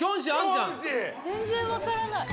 全然わからない。